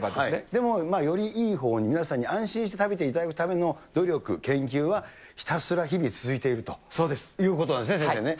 でもよりいいほうに、皆さんに安心して食べていただくためにも努力、研究はひたすら、日々、続いているということなんですね、先生ね。